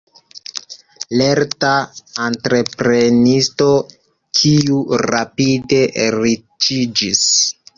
Lerta entreprenisto, kiu rapide riĉiĝis.